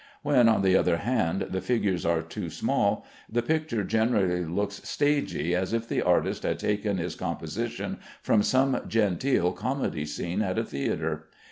When, on the other hand, the figures are too small, the picture generally looks stagey, as if the artist had taken his composition from some genteel comedy scene at a theatre.